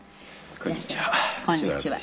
こんにちは。